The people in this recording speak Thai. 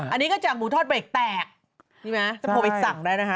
อันนี้ก็จากหมูทอดเบรกแตกนี่ไหมพอไปสั่งได้นะฮะ